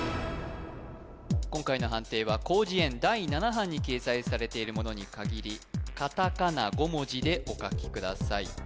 今回の判定は広辞苑第七版に掲載されているものに限りカタカナ５文字でお書きください